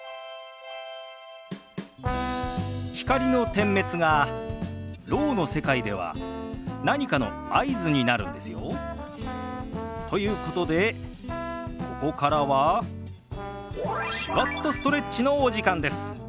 光の点滅がろうの世界では何かの合図になるんですよ。ということでここからは「手話っとストレッチ」のお時間です。